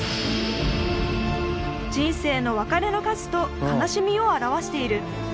人生の別れの数と悲しみを表している。